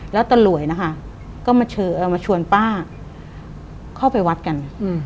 แล้วตะหลวยนะคะก็มาชวนป้าเข้าไปวัดกัน